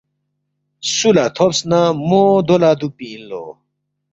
سُو لہ تھوبس نہ مو دو لہ دُوکپی اِن لو